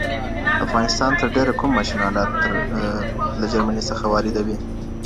افغانستان تر ډېره کوم ماشین الات له جرمني څخه واردوي؟